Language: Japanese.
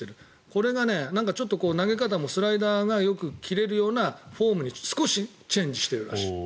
これが投げ方もスライダーがよく切れるようなフォームに少しチェンジしているらしい。